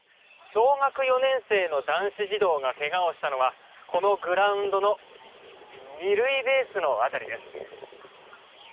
小学４年生の男子児童がけがをしたのはこのグラウンドの２塁ベースの辺りです。